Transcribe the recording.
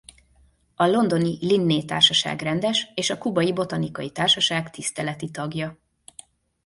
A londoni Linné Társaság rendes és a Kubai Botanikai Társaság tiszteleti tagja.